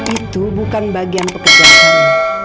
itu bukan bagian pekerjaan